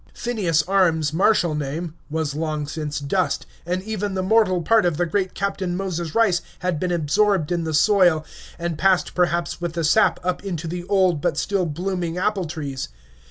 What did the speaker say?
Phineas Arms martial name was long since dust, and even the mortal part of the great Captain Moses Rice had been absorbed in the soil and passed perhaps with the sap up into the old but still blooming apple trees.